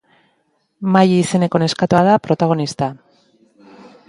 Maddi izeneko neskatoa da protagonista.